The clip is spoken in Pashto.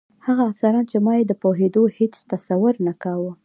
هغه افسران چې ما یې د پوهېدو هېڅ تصور نه کاوه.